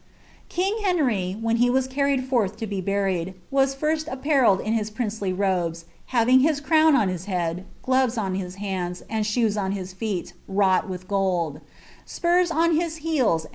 King Henry, when he was carried forth to be buried, was Grsi apt*' reted m bts princely robes, having his crown on his head, gloves oa oil hands, and shoes on his feet, wrought with gold^ spurs on his hedi.